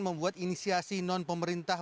membuat inisiasi non pemerintah